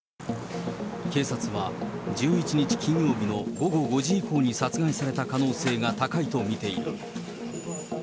警察は１１日金曜日の午後５時以降に殺害された可能性が高いと見ている。